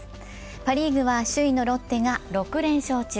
パ・リーグは首位のロッテが６連勝中。